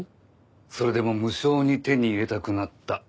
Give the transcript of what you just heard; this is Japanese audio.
「それでも無性に手に入れたくなった」。